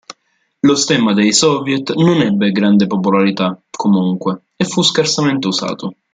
Lo stemma dei soviet non ebbe grande popolarità, comunque, e fu scarsamente usato.